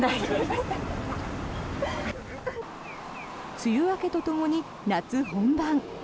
梅雨明けとともに夏本番。